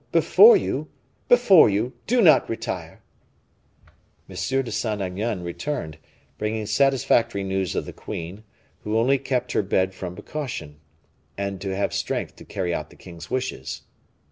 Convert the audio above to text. before you, before you; do not retire!" M. de Saint Aignan returned, bringing satisfactory news of the queen, who only kept her bed from precaution, and to have strength to carry out the king's wishes.